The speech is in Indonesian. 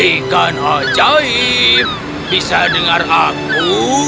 ikan ajaib bisa dengar aku